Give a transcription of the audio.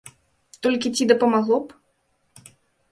Толькі ці дапамагло б?